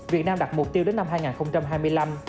việt nam đặt mục tiêu đến năm hai nghìn hai mươi năm